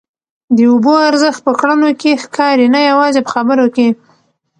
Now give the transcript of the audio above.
د اوبو ارزښت په کړنو کي ښکاري نه یوازي په خبرو کي.